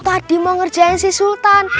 tadi mau ngerjain si sultan